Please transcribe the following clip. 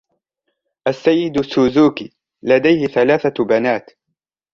السيد سوزوكي لديه ثلاث بنات.